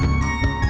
liat dong liat